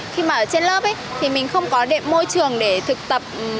khi mà ở trên lớp thì mình không có được môi trường để thực tập